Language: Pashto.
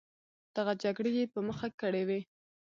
دغه جګړې یې په مخه کړې وې.